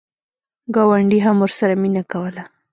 ګاونډي هم ورسره مینه کوله.